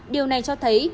điều này cho thấy